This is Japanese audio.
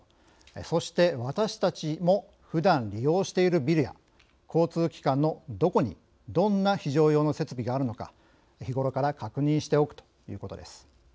そして、私たちも普段利用しているビルや交通機関のどこにどんな非常用の設備があるのか日頃から確認しておくということです。